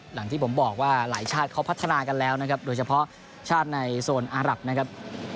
หลังที่ผมบอกว่าหลายชาติเขาพัฒนากันแล้วนะครับโดยเฉพาะชาติในโซนอารับนะครับ